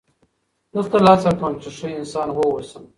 زه تل هڅه کوم، چي ښه انسان واوسم.